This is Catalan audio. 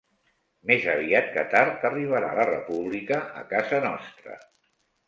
Més aviat que tard arribarà la República a casa nostra.